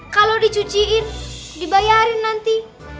kalau dicuciin dibayarin nanti